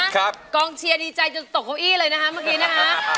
กล้องเชียร์ดีใจจนตกโควปอี้เลยนะคะ